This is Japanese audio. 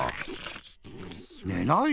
ねないでよ。